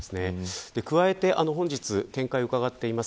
加えて本日見解をうかがっています